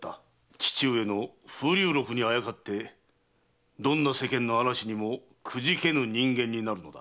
父上の『風柳禄』にあやかってどんな世間の嵐にもくじけぬ人間になるのだ。